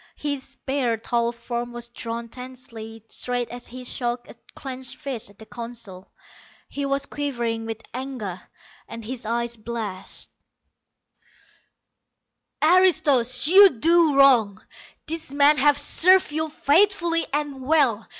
His spare, tall form was drawn tensely straight as he shook a clenched fist at the Council. He was quivering with anger, and his eyes blazed. "Aristos, you do wrong! These men have served you faithfully and well.